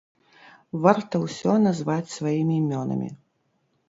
Варта ўсё назваць сваімі імёнамі.